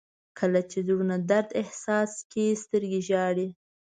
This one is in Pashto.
• کله چې زړونه درد احساس کړي، سترګې ژاړي.